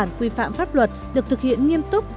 bản quy phạm pháp luật được thực hiện nghiêm túc